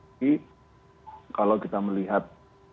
tapi kalau kita melihat